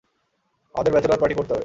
আমাদের bachelor party করতে হবে।